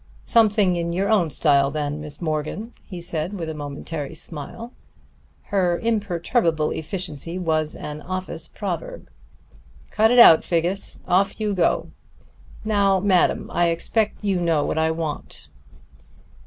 "Something in your own style, then, Miss Morgan," he said with a momentary smile. Her imperturbable efficiency was an office proverb. "Cut it out, Figgis. Off you go! Now, madam, I expect you know what I want."